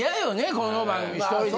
この番組１人で。